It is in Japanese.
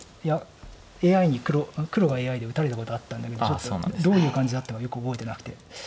ＡＩに黒がＡＩで打たれたことあったんだけどちょっとどういう感じだったかよく覚えてなくて。